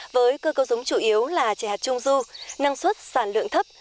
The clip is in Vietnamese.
với cơ cấu giống chủ yếu là chè hạt trung du năng suất sản lượng thấp